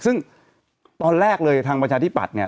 ซึ่งตอนแรกเลยทางประชาธิปัตย์เนี่ย